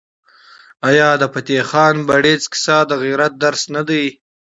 آیا د فتح خان بړیڅ کیسه د غیرت درس نه دی؟